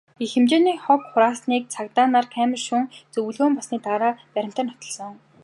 Их хэмжээний хог хураасныг цагдаа нар камер шүүн, зөвлөгөөн болсны дараа баримтаар нотолсон.